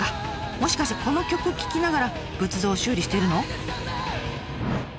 もしかしてこの曲聴きながら仏像を修理してるの？